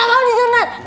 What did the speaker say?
gak mau disuntik